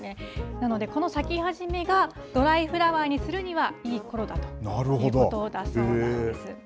なので、この咲き始めがドライフラワーにするにはいいころだということだそうです。